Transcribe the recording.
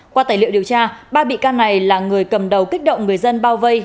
qua tài liệu điều tra ba bị can này là người cầm đầu kích động người dân bao vây